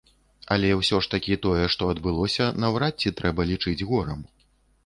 Але ўсё ж такі тое, што адбылося, наўрад ці трэба лічыць горам.